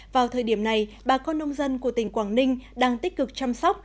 vào thời điểm này bà con nông dân của tỉnh quảng ninh đang tích cực chăm sóc